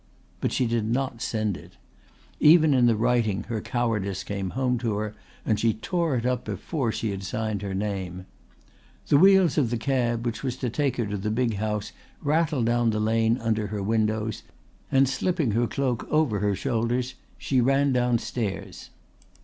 But she did not send it. Even in the writing her cowardice came home to her and she tore it up before she had signed her name. The wheels of the cab which was to take her to the big house rattled down the lane under her windows, and slipping her cloak over her shoulders she ran downstairs.